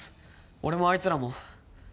俺もあいつらも。